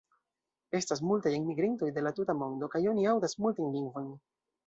Estas multaj enmigrintoj de la tuta mondo, kaj oni aŭdas multajn lingvojn.